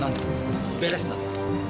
nang beres nang